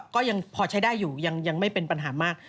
ก็ยังพอใช้ได้อยู่ยังไม่เป็นปัญหามาก